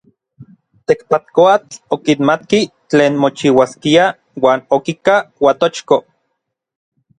Tekpatkoatl okimatki tlen mochiuaskia uan okika Uatochko.